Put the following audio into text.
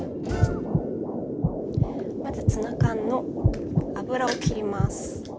まずツナ缶の油を切ります。